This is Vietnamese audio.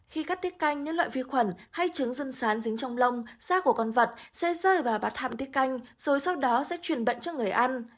khi cắt tiết canh những loại vi khuẩn hay trứng run sán dính trong lông sát của con vật sẽ rơi vào bạt hạm tiết canh rồi sau đó sẽ truyền bệnh cho người ăn